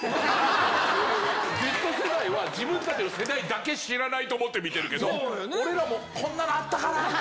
Ｚ世代は自分たちの世代だけ知らないと思って見てるけど、俺らもこんなのあったかなー？って。